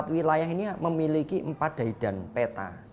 empat wilayah ini memiliki empat daidan peta